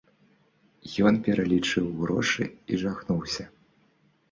Ён пералічыў грошы і жахнуўся.